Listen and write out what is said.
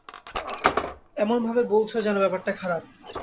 এমনভাবে বলছ যেন ব্যাপারটা খারাপ।